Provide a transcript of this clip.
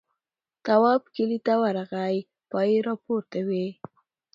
تواب کلي ته ورغی پایې راپورته وې.